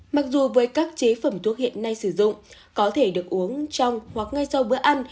mặc dù với các chế phẩm thuốc hiện nay sử dụng có thể được uống trong hoặc ngay sau bữa ăn